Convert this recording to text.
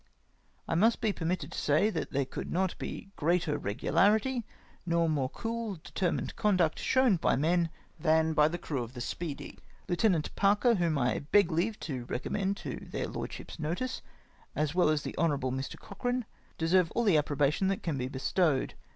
" I must be permitted to say that there could not be greater regularity, nor more cool determined conduct shown by men, than by the crew of the Speedy. Lieut. Parker, whom I beg leave to recommend to their Lordships' notice, as well as the Hon. Mr. Cochrane, deserve all the approbation that can be bestowed.